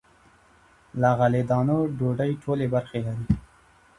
له غلې- دانو ډوډۍ ټولې برخې لري.